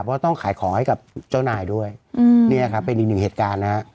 เพราะต้องขายของให้กับเจ้านายด้วยเนี่ยครับเป็นอีกหนึ่งเหตุการณ์นะฮะ